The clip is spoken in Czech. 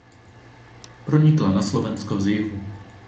Pronikla na Slovensko z jihu.